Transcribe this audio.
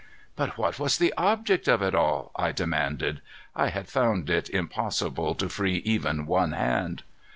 "But what was the object of it all?" I demanded. I had found it impossible to free even one hand.